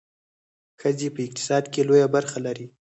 ښځې په اقتصاد کې لویه برخه لري.